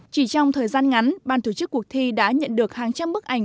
chỉ trong thời gian ngắn ban tổ chức cuộc thi đã nhận được hàng trăm bức ảnh